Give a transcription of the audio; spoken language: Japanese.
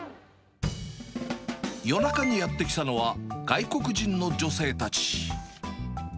夜中にやって来たのは、外国人の女性たち。